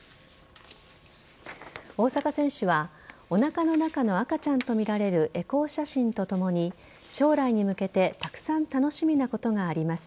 大坂選手はお腹の中の赤ちゃんとみられるエコー写真とともに将来に向けてたくさん楽しみなことがあります